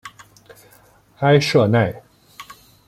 埃舍奈。